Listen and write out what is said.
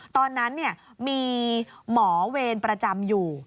ตอนนั้นมีหมอเวรประจำอยู่